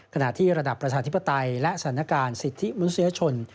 ขณะที่ระดับประชาธิปไตยและสถานการณ์สิทธิมนุษยชน